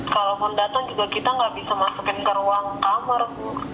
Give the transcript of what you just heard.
kalaupun datang juga kita nggak bisa masukin ke ruang kamar